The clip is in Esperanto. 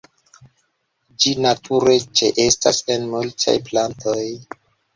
Ĝi nature ĉeestas en multaj plantoj.